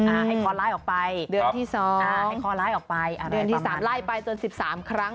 อ่าให้คล้อไล่ออกไปเดือนที่สองอ่าให้คล้อไล่ออกไปอะไรประมาณเดือนที่สามไล่ไปจนสิบสามครั้ง